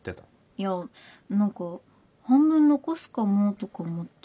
いやぁ何か半分残すかもとか思って。